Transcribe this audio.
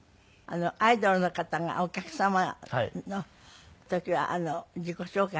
アイドルの方がお客様の時は自己紹介